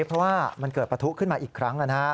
เพราะว่ามันเกิดประทุขึ้นมาอีกครั้ง